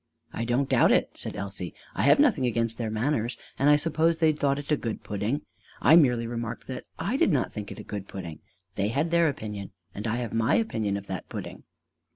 "I don't doubt it," said Elsie. "I have nothing against their manners. And I suppose they thought it a good pudding! I merely remarked that I did not think it a good pudding! They had their opinion, and I have my opinion of that pudding."